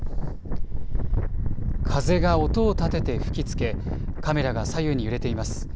風が音を立てて吹きつけカメラが左右に揺れています。